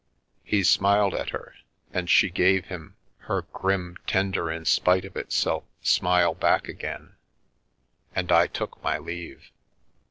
He smiled at her, and she gave him her grim tender in spite of itself smile back again, and I took my leave.